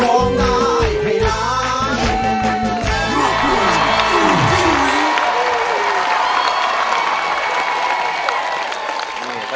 น้องปีนะครับ